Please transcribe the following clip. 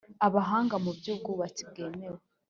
abahanga mu by ubwubatsi rwemewe